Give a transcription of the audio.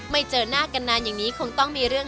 เจอหน้ากันนานอย่างนี้คงต้องมีเรื่อง